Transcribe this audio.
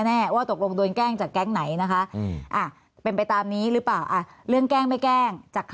แน่ว่าจริงก้างจากแกล้งไหนนะคะอ่ะเป็นไปตามนี้หรือ